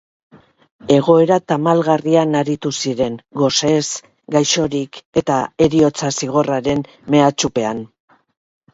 Egoera tamalgarrian aritu ziren, gosez, gaixorik eta heriotza zigorraren mehatxupean.